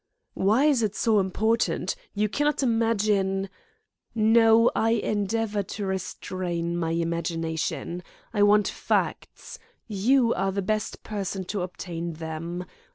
"Why is it so important? You cannot imagine " "No; I endeavour to restrain my imagination. I want facts. You are the best person to obtain them.